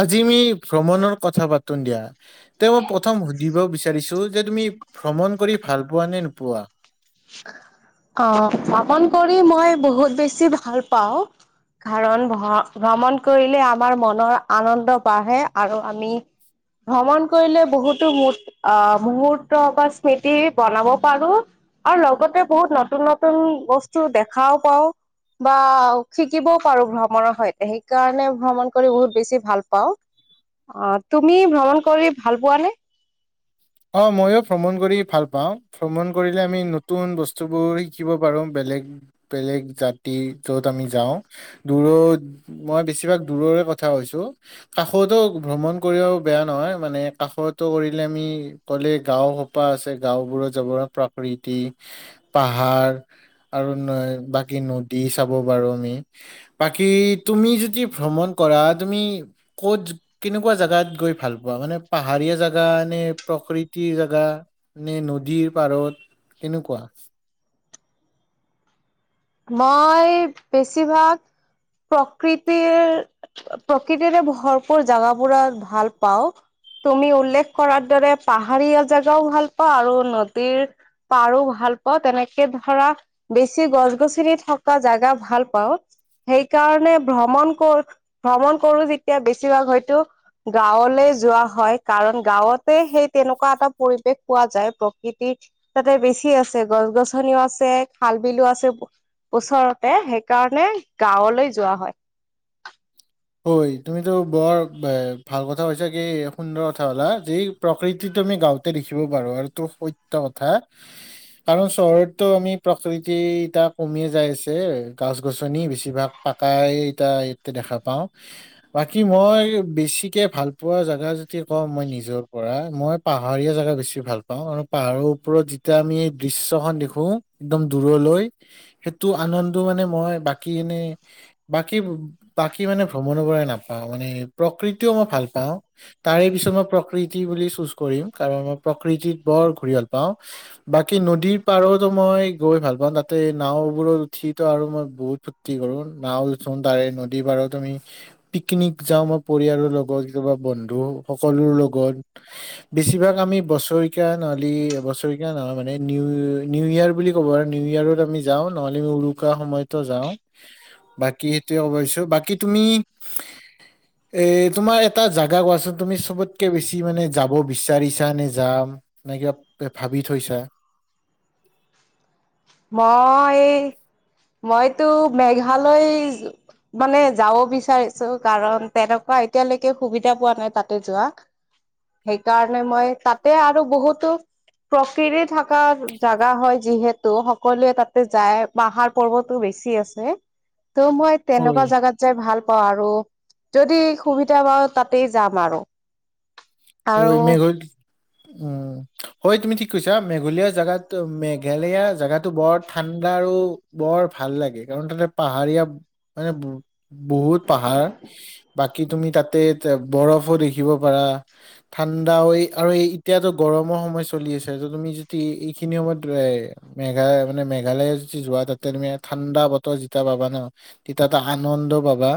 আজি আমি ভ্ৰমণৰ কথা পাতোন দিয়া। তে মই প্ৰথম সুধিব বিচাৰিছোঁ যে তুমি ভ্ৰমণ কৰি ভাল পোৱা নে নোপোৱা? অহ', পাপন কৰি মই বহুত বেছি ভাল পাওঁ। কাৰণ ভ ভ্ৰমণ কৰিলে আমাৰ মনৰ আনন্দ বাঢ়ে আৰু আমি ভ্ৰমণ কৰিলে বহুতো মূ অ' মুহুৰ্ত বা স্মৃতি বনাব পাৰোঁ আৰু লগতে বহুত নতুন নতুন বস্তু দেখাও পাওঁ। বা শিকিবও পাৰোঁ ভ্ৰমণৰ সৈতে সেইকাৰণে ভ্ৰমণ কৰি বহুত বেছি ভাল পাওঁ। অ', তুমি ভ্ৰমণ কৰি ভাল পোৱা নে? অ' ময়ো ভ্ৰমণ কৰি ভাল পাওঁ। ভ্ৰমণ কৰিলে আমি নতুন বস্তুবোৰ শিকিব পাৰোঁ বেলেগ বেলেগ জাতি য'ত আমি যাওঁ দূৰৈত মই বেছিভাগ দূৰৰে কথা কৈছোঁ। কাষতো ভ্ৰমণ কৰিবও বেয়া নহয় মানে কাষতো কৰিলে আমি ক'লে গাওঁসোপা আছে, গাঁওবোৰত জৱৰ প্ৰাকৃতি পাহাৰ আৰু ন, বাকী নদী চাব পাৰোঁ আমি। বাকী তুমি যদি ভ্ৰমণ কৰা তুমি ক'ত কেনেকুৱা জেগাত গৈ ভাল পোৱা মানে পাহাৰীয়া জেগা নে প্ৰকৃতিৰ জেগা নে নদীৰ পাৰত কেনেকুৱা? মই বেছিভাগ প্ৰকৃতিৰ প্ৰকৃতিৰে ভৰপূৰ জেগাবোৰত ভাল পাওঁ। তুমি উল্লেখ কৰাৰ দৰে পাহাৰীয়া জেগাওঁ ভাল পাওঁ আৰু নদীৰ পাৰো ভাল পাওঁ তেনেকে ধৰা বেছি গছ গছনি গছনি থকা জেগা ভাল পাওঁ। সেই কাৰণে ভ্ৰমণ কৰো ভ্ৰমণ কৰো যেতিয়া বেছিভাগ হয়তো। গাৱলৈ যোৱা হয়, কাৰণ গাঁৱতে সেই তেনেকুৱা এটা পৰিৱেশ পোৱা যায় প্ৰকৃতিৰ। তাতে বেছি আছে গছ গছনিও আছে খাল বিলো আছে। ওচৰতে সেইকাৰণে গাঁৱলৈ যোৱা হয়। ঐ তুমিতো বৰ এ ভাল কথা কৈছা কি সুন্দৰ কথা ক'লা যি প্ৰকৃতি তুমি গাওঁতে দেখিব পাৰোঁ আৰু এইটো সত্যৰ কথা। কাৰণ চহৰতো আমি প্ৰকৃতি এতিয়া কমিয়ে যাই আছে গছ গছনি বেছিভাগ। পাকাই ইটা এইয়াতে দেখা পাওঁ। বাকী মই, বেছিকে ভাল পোৱা জেগা যদি কওঁ, মই নিজৰ পৰা মই পাহাৰীয়া জেগা বেছি ভাল পাওঁ আৰু পাহাৰৰ ওপৰত যেতিয়া আমি এই দৃশ্যখন দেখো। একদম দূৰলৈ সেইটো আনন্দ মানে মই বাকী এনেই বাকী বাকী মানে ভ্ৰমণৰ পৰাই নাপাওঁ মানে প্ৰকৃতিও মই ভাল পাওঁ। তাৰে পিছত মই প্ৰকৃতি বুলি চুজ কৰিম কাৰণ মই প্ৰকৃতি বৰ ঘূৰি ভাল পাওঁ। বাকী নদীৰ পাৰতো মই গৈ ভাল পাওঁ তাতে নাওবোৰত উঠিতো আৰু মই বহুত ফুৰ্টি কৰো নাও উঠো তাৰে নদীৰ পাৰত আমি পিকনিক যাওঁ মই পৰিয়ালৰ লগত কেতিয়াবা বন্ধু সকলো লগত। বেছিভাগ আমি বছেৰিকীয়া নহলে বছেৰিকীয়া নহয় মানে নি নিউ ইয়েৰ বুলি কয় আৰু নিউ ইয়েৰত আমি যাওঁ নহ'লে আমি উৰুকা সময়তো যাওঁ। বাকী সেইটোয়ে ক'ব বিচাৰিছোঁ বাকী তুমি এ, তোমাৰ এটা জাগা কোৱাচোন তুমি চবতকে বেছি মানে যাব বিচাৰিছা নে যাম এনে কিবা ভাবি থৈছা মই মইতো মেঘালয় মানে যাব বিচাৰিছো কাৰণ তেনেকুৱা এতিয়ালৈকে সুবিধা পোৱা নাই তাতে যোৱা। সেইকাৰণে মই তাতে আৰু বহুটো প্ৰকৃতিৰ থকা জাগা হয় যিহে তু সকলোৱে তাতে যায় পাহাৰ পৰ্বতো বেছি আছে ত মই হয় তেনেকুৱা জাগাত যাই ভাল পাওঁ আৰু যদি সুবিধা পাওঁ তাতেই যাম আৰু। ঐ আৰু মেঘৰ উম। হয়, তুমি ঠিক কৈছা মেঘলীয়া জেগাত মেঘালয়া জেগাটো বৰ ঠাণ্ডা আৰু। বৰ ভাল লাগে, কাৰণ তাতে পাহাৰীয়া মানে বহুত পাহাৰ। বাকী তুমি তাতে এ বৰফো দেখিব পাৰা। ঠাণ্ডা আৰু এই এতিয়াতো গৰমৰ সময় চলি আছে ত তুমি যদি এইখিনি সময়ত এ মেঘা মেঘালয় মানে যদি তাতে তুমি ঠাণ্ডা বতৰ যেতিয়া পাবা ন। তেতিয়াতো আনন্দ পাবা।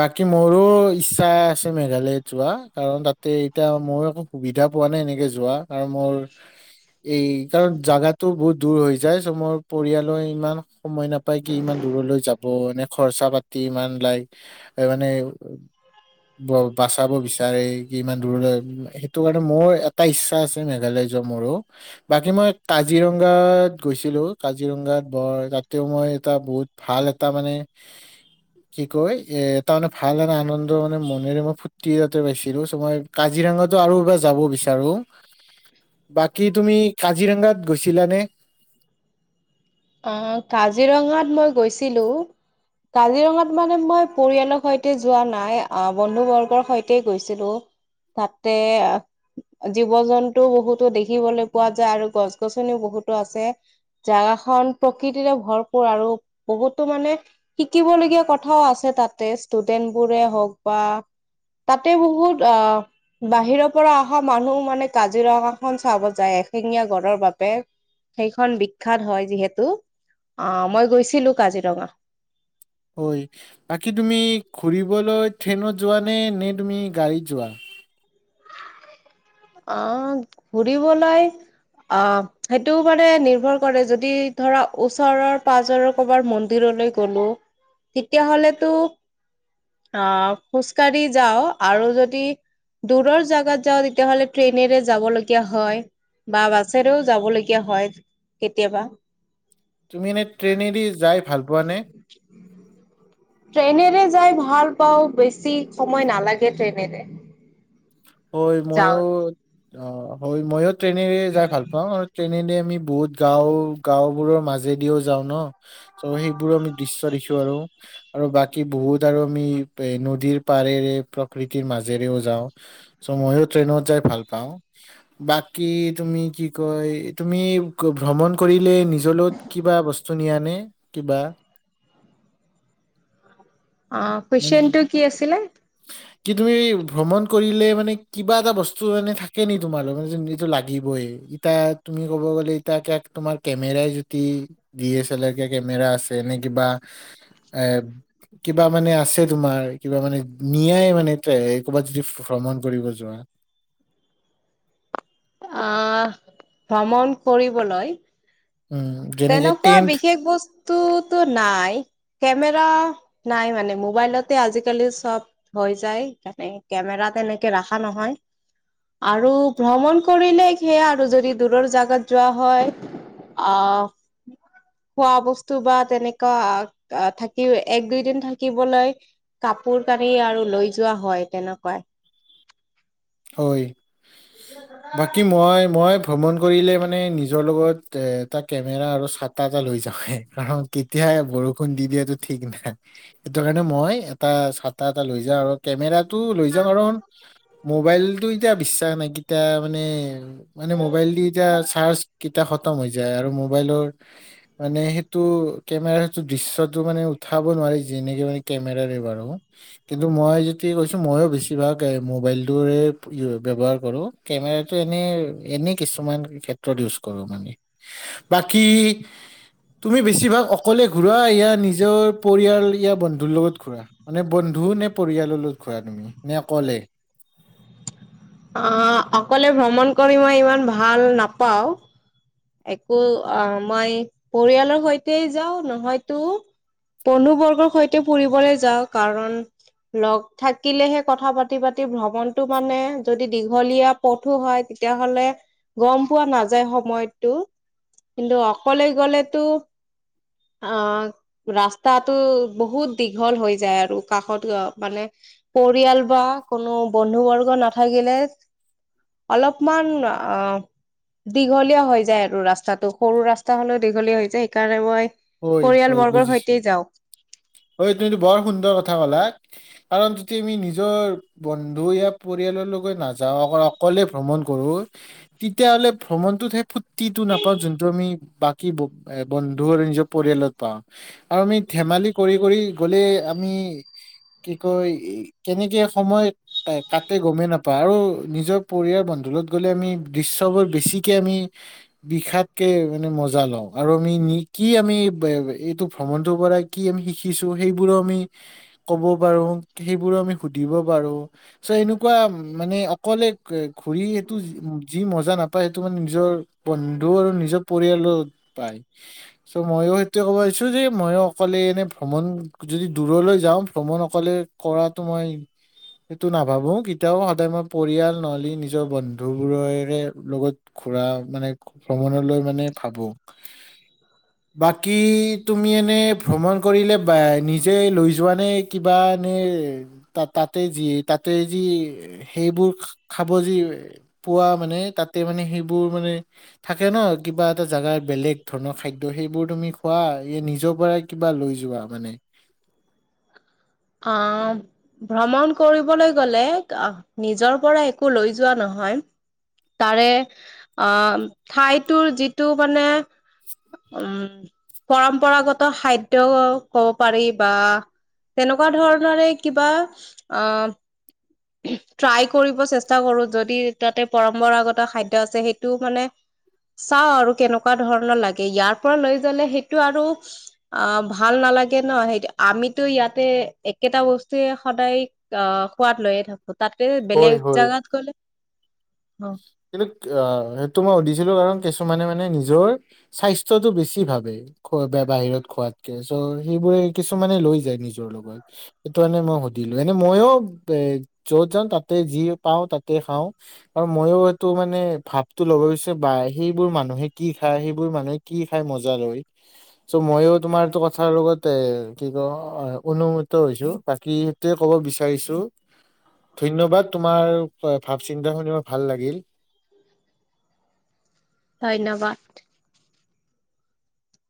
বাকী মোৰো ইচ্ছা আছে মেঘালয়ত যোৱা কাৰণ তাত তে, এতিয়া মই একো সুবিধা পোৱা নাই এনেকে যোৱা আৰু মোৰ। এই কাৰণ জাগাতটো বহুত দূৰ হৈ যায় চ' মোৰ পৰিয়ালৰ ইমান সময় নাপায়, কি ইমান দূৰলৈ যাব এনে খৰচা পাতি ইমান লাগ মানে বাচাব বিচাৰে। ইমান দূৰলৈ সেইটো কাৰণে মোৰ এটা ইচ্ছা আছে, মেঘালয় যোৱা মোৰো। বাকী মই কাজিৰঙাত গৈছিলো কাজিৰঙাত বৰ তাতেও মই এটা বহুত ভাল এটা মানে কি কয়, এ তাৰ মানে ভাল আৰু আনন্দ মানে মনেৰে মই ফূৰ্তি এটা পাইছো। মই কাজিৰঙাটো আৰু এবাৰ যাব বিচাৰো। বাকী তুমি কাজিৰঙাত গৈছিলানে? অ, কাজিৰঙাত মই গৈছিলো। কাজিৰঙাত মানে মই পৰিয়ালৰ সৈতে যোৱা নাই। আহ, বন্ধু বৰ্গৰ সৈতে গৈছিলো। তাতে জীৱ- জন্তুও বহুতো দেখিবলৈ পোৱা যায়। আৰু গছ গছনিও বহুতো আছে। জাগা খন প্ৰকৃতিৰে ভৰপূৰ আৰু বহুতো মানে শিকিবলগীয়া কথাও আছে তাতে। ষ্টুডেন্ট বোৰে হওক বা তাতে বহুত, অ বাহিৰৰ পৰা অহা মানুহ মানে কাজিৰঙাখন চাব যায়, এশিঙীয়া গড়ৰ বাবে। সেইখন বিখ্যাত হয় যিহেতু। অ, মই গৈছিলো কাজিৰঙা। হয়, বাকী তুমি ঘুৰিবলৈ ট্ৰেইনত যোৱা নে- নে, তুমি গাড়ীত যোৱা? আহ ঘূৰিবলৈ অ সেইটোও মানে নিৰ্ভৰ কৰে যদি ধৰা ওচৰৰ পাজৰৰ কৰবাৰ মন্দিৰলৈ গ'লো তেতিয়া হ'লেতো অ খোজকাঢ়ি যাওঁ আৰু যদি দূৰৰ জাগাত যাওঁ তেতিয়াহ'লে ট্ৰেইনেৰে যাব লগীয়া হয়, বা বাছেৰেও যাব লগীয়া হয় কেতিয়াবা। তুমি এনে ট্ৰেইনেদি যাই ভাল পোৱা নে? [inaudible] ট্ৰেইনেৰে যাই ভাল পাও, বেছি সময় নালাগে ট্ৰেইনেৰে। হয় যাওঁ। মইও, অ হয় মইও ট্ৰেইনেৰে যাই ভাল পাওঁ আৰু ট্ৰেইনেৰে আমি বহুত গাওঁ গাওঁবোৰৰ মাজেদিও যাওঁ ন চ' সেইবোৰো আমি দৃশ্য দেখো আৰু আৰু বাকী বহুত আৰু আমি এ নদীৰ পাৰেৰে প্ৰকৃতিৰ মাজেৰেও যাওঁ। চ' মইও ট্ৰেইনত যায় ভাল পাওঁ। বাকী তুমি কি কয় তুমি ভ্ৰমণ কৰিলে নিজৰ লগত কিবা বস্তু নিয়া নে কিবা? অ কুৱেশ্চনটো কি আছিলে? [unintelligible] কি তুমি ভ্ৰমণ কৰিলে মানে কিবা এটা বস্তু মানে থাকে নি তোমাৰা লগত মানে যিটো লাগিবই? এয়া তুমি ক'ব গ'লে ই তাক তোমাৰ কেমেৰাই যদি ডি এ চেলাৰ কেমেৰা আছে নে না কিবা এ কিবা মানে আছে তোমাৰ, কিবা মানে নিয়াই মানে এ ক'ৰবাত যদি ভ্ৰমণ কৰিব যোৱা। আ ভ্ৰমণ কৰিবলৈ উম। যেনেকে তেনেকুৱা টেন্ট বিশেষ বস্তুটো নাই। কেমেৰা নাই মানে মোবাইলতে আজিকালি চব হৈ যায় সেইকাৰণে কেমেৰাত এনেকে ৰাখা নহয়। আৰু ভ্ৰমণ কৰিলে সেয়া আৰু যদি দূৰৰ জাগাত যোৱা হয় অ খোৱা বস্তু, বা তেনেকুৱা থাকি এক দুইদিন থাকিবলৈ কাপোৰ-কানি আৰু লৈ যোৱা হয়, তেনেকুৱাই। হয় বাকী কি মই মই ভ্ৰমণ কৰিলে মানে নিজৰ লগত এ এটা কেমেৰা আৰু ছাট- টা এটা লৈ যাওঁয়েই, কাৰণ কেতিয়া বৰষুণ দি দিয়েটো ঠিক নাই। সেইটো কাৰণে মই এটা ছাতা এটা লৈ যাওঁ আৰু কেমেৰাত- টো লৈ যাওঁ কাৰণ আৰু মোবাইলটো এতিয়া বিশ্বাস নাই কেতিয়া মানে- মানে মোবাইল দি এতিয়া চাৰ্জ কেইটা খতম হৈ যায়, আৰু মোবাইলৰ- মানে সেইটো কেমেৰাটো সেইটো দৃশ্যটো মানে উঠাব নোৱাৰি যেনেকে মানে কেমেৰাৰে মাৰো। কিন্তু মই য'তে গৈছোঁ, মইও বেছিভাগ এ মোবাইল- টোৱে ব্যৱহাৰ কৰোঁ, কেমেৰাটো এনেই এনেই কিছুমান ক্ষেত্ৰত ইউজ কৰোঁ মানে। বাকী- তুমি বেছিভাগ অকলে ঘূৰা ইয়া নিজৰ পৰিয়াল ইয়া বন্ধুৰ লগত ঘূৰা? মানে বন্ধু নে পৰিয়ালৰ লগত ঘূৰা তুমি নে অকলে? অঁ' অকলে ভ্ৰমন কৰি মই ইমান ভাল নাপাওঁ। একো অঁ মই পৰিয়ালৰ সৈতেই যাওঁ, নহয়তো- বন্ধু বৰ্গৰ সৈতে ফুৰিবলৈ যাওঁ, কাৰণ- লগ থাকিলেহে কথা পাতি পাতি ভ্ৰমণটো মানে যদি দীঘলীয়া- পথো হয় তেতিয়া হ'লে গম পোৱা নাযায় সময়ত- টো কিন্তু অকলে গ'লেতো অঁ- ৰাস্তাটো বহুত দীঘল হৈ যায় আৰু কাষত মানে- পৰিয়াল বা কোনো বন্ধু বৰ্গ নাথাকিলে। অলপমান অঁ দীঘলীয়া হৈ- যায় আৰু ৰাস্তাটো সৰু ৰাস্তা হলেও দীঘলীয়া হৈ যায়, সেইকাৰণে মই হয় পৰিয়াল বৰ্গৰ সৈতে যাওঁ। অ এইটো এইটো বৰ সুন্দৰ কথা ক'লা, কাৰণ যদি আমি নিজৰ- বন্ধু ইয়া পৰিয়ালৰ লগত নাযাওঁ, অ অকলে ভ্ৰমণ কৰো- তেতিয়াহ'লে ভ্ৰমণটোত সেই ফূৰ্তিটো নাপাওঁ, যোনটো আমি বাকী ব- এ বন্ধু আৰু নিজৰ পৰিয়ালত পাওঁ আৰু আমি ধেমালি- কৰি কৰি গ'লে আমি কি কয় কেনেকে সময়- তাতে গমেই নাপাওঁ আৰু নিজৰ পৰিয়াল বন্ধুৰ লগত গ'লে আমি দৃশ্যবোৰ বেছিকে আমি- বিষাককে মানে মজা লওঁ, আৰু আমি কি আমি এইটো ভ্ৰমণটোৰ পৰাই- কি আমি শিকিছো, সেইবোৰো আমি- ক'ব পাৰো সেইবোৰো আমি সুধিব পাৰো চ' এনেকুৱা মানে অকলে- কে ঘূৰি এইটো যি- যি মজা নাপায়, সেইটো মানে নিজৰ বন্ধু আৰু নিজৰ পৰিয়ালত পায়। চ' ময়ো সেইটোৱে ক'ব আহিছো যে মইও- অকলে এনে ভ্ৰমণ যদি দূৰলৈ যাওঁ, ভ্ৰমণ অকলে কৰাটো মই- সেইটো নাভাবোঁ, কেতিয়াও সদায় মই পৰিয়াল নহ'লে নিজৰ বন- ন্ধু বোৰৰেৰে লগত ঘুৰা মানে ভ্ৰমণলৈ মানে ভাবোঁ। বাকী তুমি এনেই- ভ্ৰমণ কৰিলে বা নিজে লৈ যোৱানে কিবা এনেই- তাত তাতে যি তাতে যি সেইবোৰ খাব যি- পোৱা মানে তাতে মানে সেইবোৰ মানে- থাকে ন কিবা এটা জাগাৰ বেলেগ ধৰণৰ খাদ্য সেইবোৰ তুমি খোৱা এই নিজৰ পৰাই- কিবা লৈ যোৱা মানে। অঁ' ভ্ৰমণ কৰিবলৈ গলে নিজৰ পৰা একো লৈ যোৱা নহয়। তাৰে আঁ ঠাইটো যিটো মানে- উম, পৰম্পৰাগত খাদ্য কব পাৰি বা, তেনেকুৱা ধৰণেৰে কিবা আঁ ট্ৰাই কৰিব চেষ্টা কৰো, যদি তাতে পৰম্পৰাগত খাদ্য আছে, সেইটো মানে চাও আৰু কেনেকুৱা ধৰণৰ লাগে, ইয়াৰ পৰা লৈ জালে সেইটো আৰু অঁ ভাল নালাগে ন, সেইটো আমিতো ইয়াতে একেটা বস্তুৱে সদায় অঁহ সোৱাদ লৈয়ে থাকো, তাতে হয় বেলেগ হয় জাগাত গ'লে অঁ কিন্তু আহ সেইটো মই সুধিছিলো, কাৰণ কিছুমানে মানে নিজৰ স্বাস্থ্যটো বেছি ভাবে। খোৱা বা বাহিৰত খোৱাতকে। চ' সেইবোৰে কিছুমানে লৈ যায় নিজৰ লগত। সেইটো কাৰণে মই সুধিলো, এনে মইও এ য'ত যাও তাতে যি পাওঁ তাকে খাওঁ। আৰু মইও এইটো মানে ভাৱটো ল'ব বিচাৰো, বা সেইবোৰ মানুহে কি খায় সেইবোৰ মানুহে কি খাই মজা লয়। চ' মইয়ো এই তোমাৰটো কথাৰ লগত এ কি কও অনুমিত হৈছো, বাকী এইটোৱে ক'ব বিচাৰিছো, ধন্যবাদ তোমাৰ ভাৱ চিন্তা শুনিব ভাল লাগিল। ধন্যবাদ।